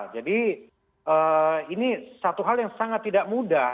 jadi ini satu hal yang sangat tidak mudah